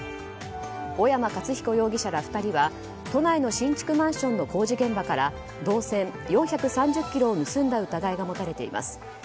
小山克彦容疑者ら２人は都内の新築マンションの工事現場から銅線４３０ｋｇを盗んだ疑いが持たれています。